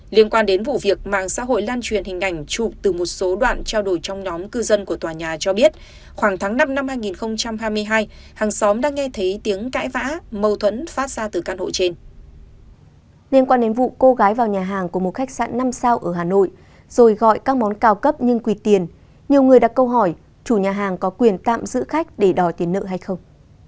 liên quan đến vụ cô gái vào nhà hàng của một khách sạn năm sao ở hà nội rồi gọi các món cao cấp nhưng quỳ tiền nhiều người đã câu hỏi chủ nhà hàng có quyền tạm giữ khách để đòi tiền nợ hay không